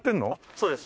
そうです。